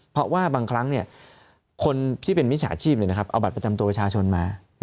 เพราะว่าบางครั้งคนที่เป็นมิจฉาชีพเอาบัตรประจำตัวประชาชนมา